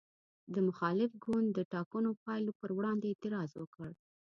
د مخالف ګوند د ټاکنو پایلو پر وړاندې اعتراض وکړ.